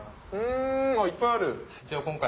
んいっぱいある。